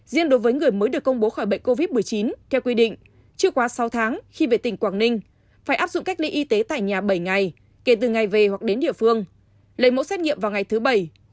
riêng đối với người mới được công bố khỏi bệnh covid một mươi chín theo quy định chưa quá sáu tháng khi về tỉnh quảng ninh phải áp dụng cách ly y tế tại nhà bảy ngày kể từ ngày về hoặc đến địa phương lấy mẫu xét nghiệm vào ngày thứ bảy